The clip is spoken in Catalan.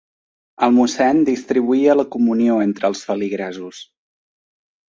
El mossèn distribuïa la comunió entre els feligresos.